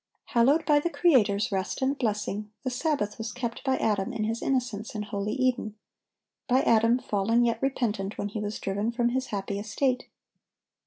Hallowed by the Creator's rest and blessing, the Sabbath was kept by Adam in his innocence in holy Eden; by Adam, fallen yet repentant, when he was driven from his happy estate.